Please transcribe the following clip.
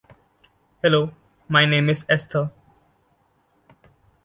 Hello, my name is Esther.